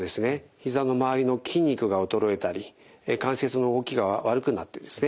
ひざの周りの筋肉が衰えたり関節の動きが悪くなってですね